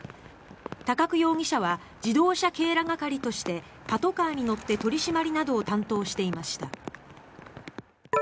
高久容疑者は自動車警ら係としてパトカーに乗って取り締まりなどを担当していました。